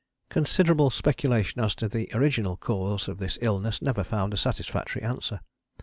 Considerable speculation as to the original cause of this illness never found a satisfactory answer.